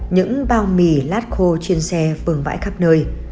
những bao mì lát khô trên xe vườn vãi khắp nơi